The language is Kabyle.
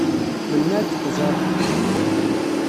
Melmi ad k-tẓeṛ?